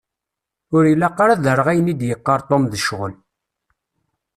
Ur y-ilaq ara ad rreɣ ayen i d-yeqqar Tom d ccɣel.